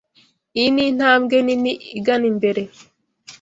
Iyi ni intambwe nini igana imbere.